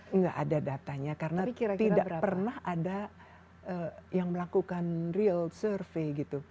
tidak ada datanya karena tidak pernah ada yang melakukan real survei gitu